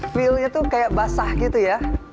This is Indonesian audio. feelnya tuh kayak basah gitu ya